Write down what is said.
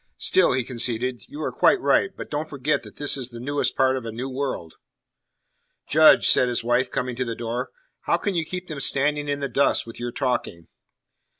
"Still," he conceded, "you are quite right. But don't forget that this is the newest part of a new world." "Judge," said his wife, coming to the door, "how can you keep them standing in the dust with your talking?"